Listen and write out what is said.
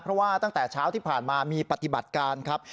เพราะว่าตั้งแต่เช้าที่ผ่านมามีปฏิบัติการครับ